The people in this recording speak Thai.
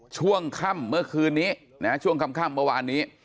ช่วงค่ำเมื่อคืนนี้ช่วงค่ำเมื่อวานนี้